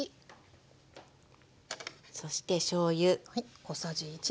そしてしょうゆ。